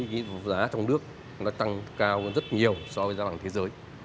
giá trong nước tăng cao rất nhiều so với giá vàng thế giới